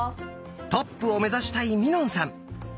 トップを目指したいみのんさん。